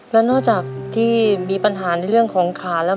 แล้วนอกจากที่มีปัญหาในเรื่องของขาแล้ว